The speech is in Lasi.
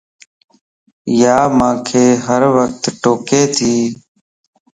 يا مانک ھروقت ٽوڪي تي